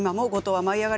「舞いあがれ！」